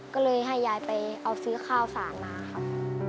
ก็เลยให้ยายไปเอาซื้อข้าวสารมาครับ